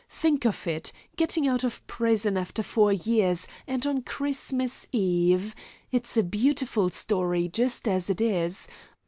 Think of it getting out of prison after four years, and on Christmas Eve! It's a beautiful story just as it is.